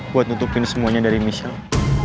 buat nutupin semuanya dari michelle